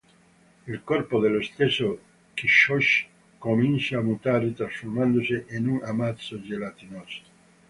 Il corpo dello stesso Kiyoshi comincia a mutare, trasformandosi in un ammasso gelatinoso.